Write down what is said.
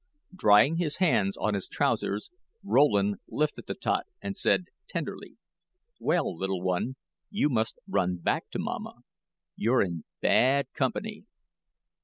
Drying his wet hands on his trousers, Rowland lifted the tot and said, tenderly: "Well, little one, you must run back to mamma. You're in bad company."